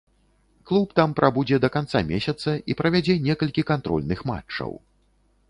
Клуб там прабудзе да канца месяца і правядзе некалькі кантрольных матчаў.